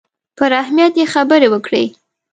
پر اهمیت یې خبرې وکړې.